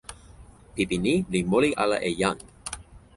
pipi ni li moli ala e jan.